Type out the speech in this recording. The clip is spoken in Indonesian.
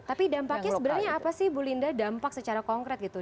tapi dampaknya sebenarnya apa sih bu linda dampak secara konkret gitu